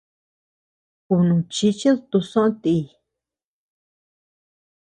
Kunuchichid tusoʼö ti.